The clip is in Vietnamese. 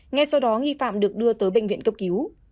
ngay sau đó nghi phạm được đưa tới bệnh viện cấp cứu